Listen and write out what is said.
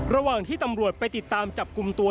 ระหว่างที่ตำรวจไปติดตามจับกลุ่มตัว